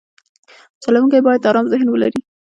چلوونکی باید ارام ذهن ولري.